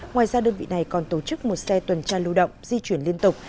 ngoài ra đơn vị này còn tổ chức một xe tuần tra lưu động di chuyển liên tục